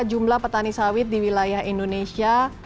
jumlah petani sawit di wilayah indonesia